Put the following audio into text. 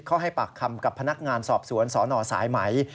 ให้ปากคำกับพนักงานสอบสวนสนสายไหม